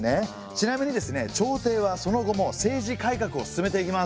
ちなみにですね朝廷はその後も政治改革を進めていきます。